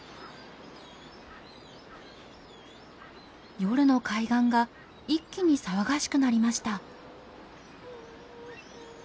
夜の海岸が一気に騒がしくなりました。